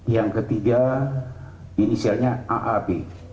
yang ketiga inisialnya aap